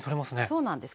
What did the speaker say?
そうなんです。